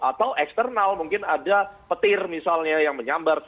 atau eksternal mungkin ada petir misalnya yang menyambar